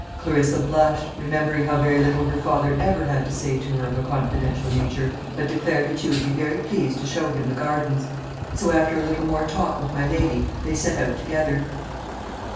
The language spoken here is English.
Clarissa blushed, remembering how very little her father ever had to say to her of a confidential nature, but declared that she would be very pleased to show him the gardens; so after a little more talk with my lady they set out together.